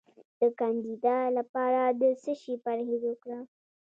د کاندیدا لپاره د څه شي پرهیز وکړم؟